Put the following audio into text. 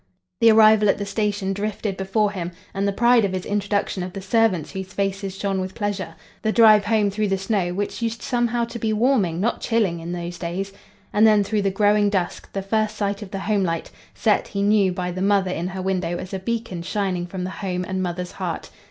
The arrival at the station drifted before him and the pride of his introduction of the servants whose faces shone with pleasure; the drive home through the snow, which used somehow to be warming, not chilling, in those days; and then, through the growing dusk, the first sight of the home light, set, he knew, by the mother in her window as a beacon shining from the home and mother's heart.